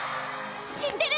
知ってる！